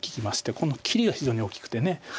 この切りが非常に大きくて。